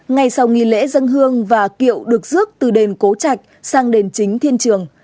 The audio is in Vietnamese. ngày sau nghỉ lễ dân hương và kiệu được rước từ đền cố trạch sang đền chính thiên trường